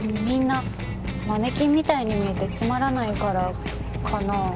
みんなマネキンみたいに見えてつまらないからかな。